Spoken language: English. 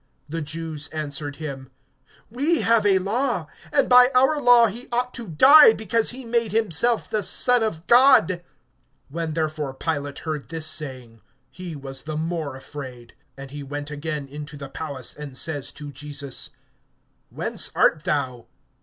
(7)The Jews answered him: We have a law, and by our law he ought to die, because he made himself the Son of God. (8)When therefore Pilate heard this saying, he was the more afraid. (9)And he went again into the palace, and says to Jesus: Whence art thou?